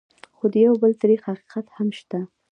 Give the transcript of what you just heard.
خو یو بل تريخ حقیقت هم شته: